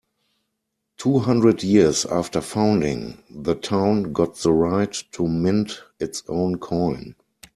Two hundred years after founding, the town got the right to mint its own coin.